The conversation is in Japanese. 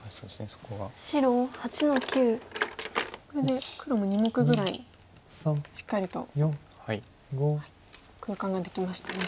これで黒も２目ぐらいしっかりと空間ができましたね。